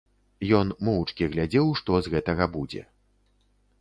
Ён моўчкі глядзеў, што з гэтага будзе.